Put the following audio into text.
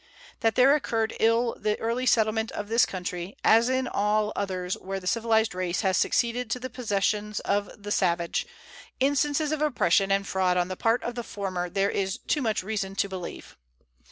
That there occurred ill the early settlement of this country, as in all others where the civilized race has succeeded to the possessions of the savage, instances of oppression and fraud on the part of the former there is too much reason to believe.